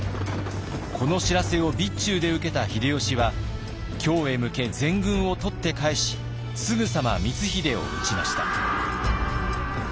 この知らせを備中で受けた秀吉は京へ向け全軍を取って返しすぐさま光秀を討ちました。